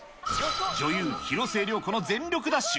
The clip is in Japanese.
女優、広末涼子の全力ダッシュ。